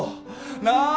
なあ？